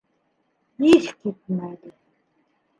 Иҫ китмәле!